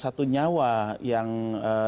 satu nyawa yang eee